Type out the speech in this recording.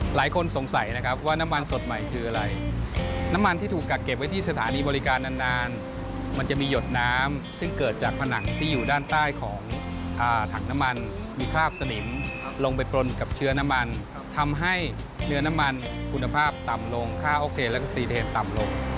หลายคนสงสัยนะครับว่าน้ำมันสดใหม่คืออะไรน้ำมันที่ถูกกักเก็บไว้ที่สถานีบริการนานมันจะมีหยดน้ำซึ่งเกิดจากผนังที่อยู่ด้านใต้ของถังน้ำมันมีคราบสนิมลงไปปลนกับเชื้อน้ำมันทำให้เนื้อน้ำมันคุณภาพต่ำลงค่าโอเคแล้วก็ซีเทต่ำลง